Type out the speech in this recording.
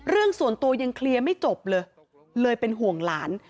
เรื่องส่วนตัวยังเคลียร์ไม่จบเลยเลยเป็นห่วงหลาน